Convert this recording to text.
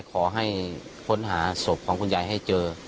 ขอให้ค้นหาศพของคุณยายให้เจอ